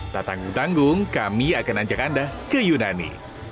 tak tanggung tanggung kami akan ajak anda ke yunani